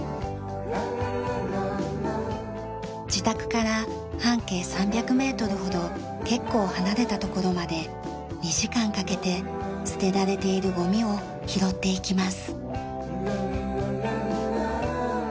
自宅から半径３００メートルほど結構離れた所まで２時間かけて捨てられているゴミを拾っていきます。